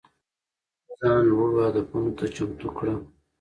ځان لوړو هدفونو ته چمتو کړه.